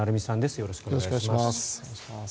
よろしくお願いします。